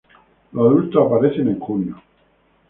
Los adultos aparecen en junio.